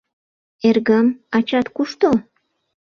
— Эргым, ачат кушто?